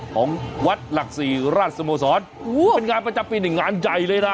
ของวัดหลักศรีราชสโมสรโอ้โหเป็นงานประจำปีในงานใหญ่เลยนะ